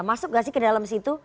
masuk gak sih ke dalam situ